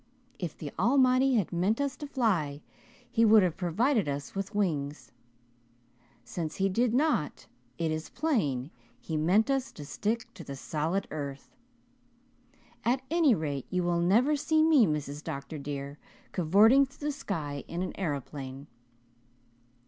If the Almighty had meant us to fly he would have provided us with wings. Since He did not it is plain He meant us to stick to the solid earth. At any rate, you will never see me, Mrs. Dr. dear, cavorting through the sky in an aeroplane."